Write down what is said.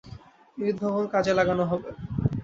এ উদ্ভাবন কাজে লাগানো হবে।